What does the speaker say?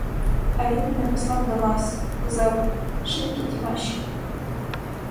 А він мене послав до вас, казав: шинки ті ваші.